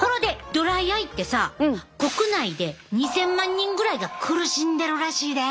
ドライアイってさ国内で２，０００万人ぐらいが苦しんでるらしいで。